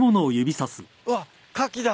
うわカキだ。